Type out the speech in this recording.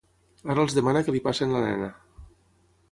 Ara els demana que li passin la nena.